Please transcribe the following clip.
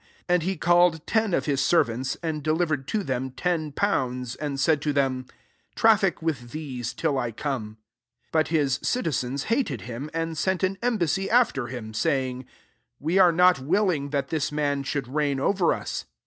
13 And be called ten of his ser vants, and delivered to them ten pounds, and said to them, ' Traffic vjith the^e till I come.' 14 But his citizens hated him, and sent an embassy after him, saying, ' We are not willing that this mem should reign over us.'